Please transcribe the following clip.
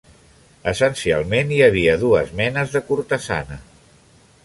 Essencialment, hi havia dues menes de cortesana.